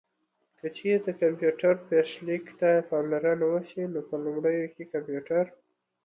که چېرې د کمپيوټر پيښليک ته پاملرنه وشي نو په لومړيو کې کمپيوټر